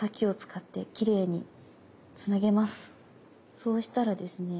そうしたらですね